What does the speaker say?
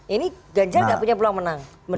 ini ganjar nggak punya peluang menang